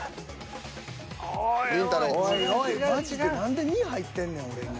マジで何で２入ってんねん俺に。